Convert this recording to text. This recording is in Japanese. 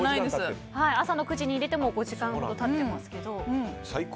朝の９時に入れて５時間ほど経っていますけども。